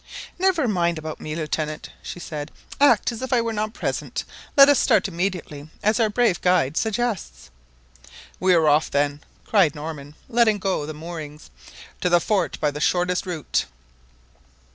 "Never mind about me, Lieutenant," she said; "act as if I were not present. Let us start immediately , as our brave guide suggests." "We are off, then," cried Norman, letting go the moorings, "to the fort by the shortest route."